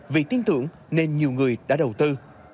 vì tin tưởng nên nhiều người đã đầu tư